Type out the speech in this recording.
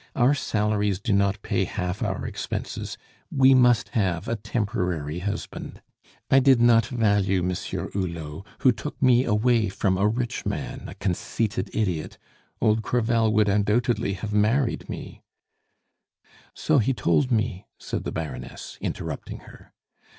Our salaries do not pay half our expenses; we must have a temporary husband. I did not value Monsieur Hulot, who took me away from a rich man, a conceited idiot. Old Crevel would undoubtedly have married me " "So he told me," said the Baroness, interrupting her.